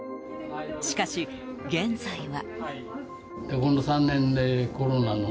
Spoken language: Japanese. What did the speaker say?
しかし、現在は。